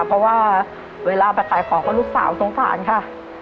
เพราะว่าเวลาไปขายของก็ลูกสาวสงสารค่ะ